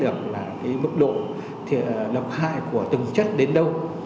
được là cái mức độ độc hại của từng chất đến đâu